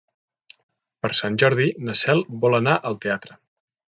Per Sant Jordi na Cel vol anar al teatre.